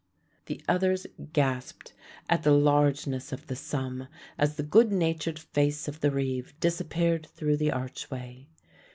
The others gasped at the largeness of the sum as the good natured face of the reeve disappeared through the archway.